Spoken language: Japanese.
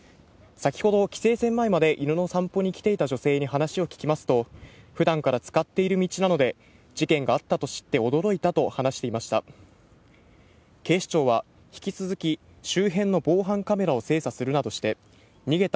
先ほど、規制線前まで犬の散歩に来ていた女性に話を聞きますと、ふだんから使っている道なので、事件があったと知って驚いたと話していました。